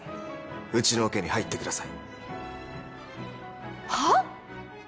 うちのオケに入ってください。